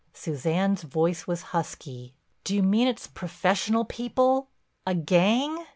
Suzanne's voice was husky: "Do you mean it's professional people—a gang?"